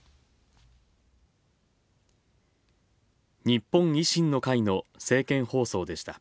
日本維新の会の政見放送でした。